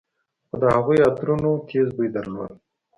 خو د هغوى عطرونو تېز بوى درلود.